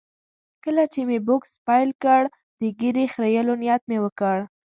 کله چې مې بوکس پیل کړ، د ږیرې خریلو نیت مې وکړ.